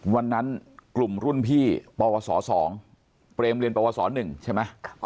วันนั้นกลุ่มรุ่นพี่ปวส๒เปรมเรียนปวส๑ใช่ไหม